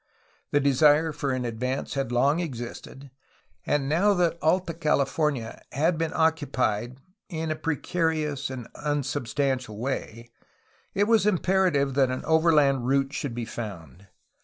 The desire for an ad vance had long existed, and now that Alta California had been occupied in a precarious and unsubstantial way, it was imperative that an overland route should be found.